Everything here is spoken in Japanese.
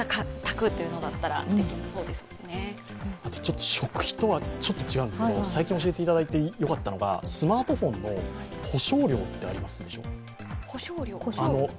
あと食費とはちょっと違うんですけど最近教えていただいてよかったのが、スマートフォンの保証料ってありますでしょう。